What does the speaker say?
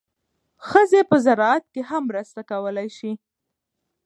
ښځې په زراعت کې هم مرسته کولی شي.